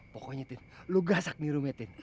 pokoknya tin lu gasak nih rumahnya tin